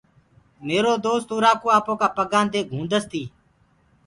ميرو دوست اُرآ ڪوُ آپو ڪآ پگآندي توڪس تي۔